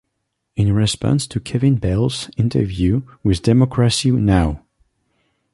In response to Kevin Bales's interview with Democracy Now!